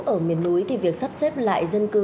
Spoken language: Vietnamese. ở miền núi thì việc sắp xếp lại dân cư